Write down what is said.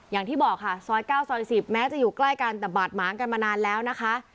อย่างที่บอกค่ะซอย๙ซอย๑๐แม้จะอยู่ใกล้กันแต่บาดหมางกันมานานแล้วนะคะ